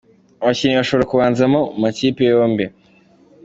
Abakinnyi bashobora kubanzamo mu makipe yombi:.